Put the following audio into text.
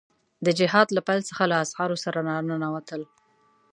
د جهاد له پيل څخه له اسعارو سره را ننوتل.